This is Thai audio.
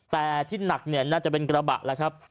แต่ที่หนักน่าจะเป็นกระบะละครับ